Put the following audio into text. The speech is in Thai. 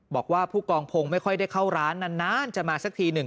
บอกว่าผู้กองพงศ์ไม่ค่อยได้เข้าร้านนานจะมาสักทีหนึ่ง